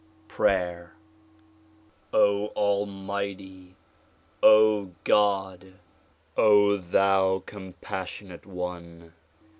Prayer. Almighty! God! O Thou compassionate One!